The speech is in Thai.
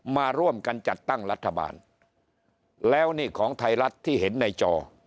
มาร่วมกันจัดตั้งรัฐบาลแล้วนี่ของไทยรัฐที่เห็นในจอ